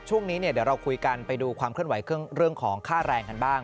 ช่วงนี้เดี๋ยวเราคุยกันไปดูความเคลื่อนไหวเรื่องของค่าแรงกันบ้าง